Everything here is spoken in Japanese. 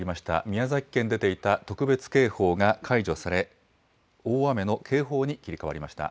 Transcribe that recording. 宮崎県に出ていた特別警報が解除され、大雨の警報に切り替わりました。